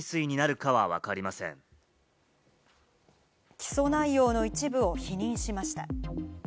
起訴内容の一部を否認しました。